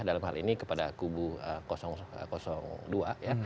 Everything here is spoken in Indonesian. dalam hal ini kepada kubu dua ya